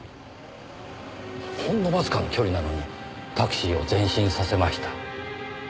ほんのわずかな距離なのにタクシーを前進させました。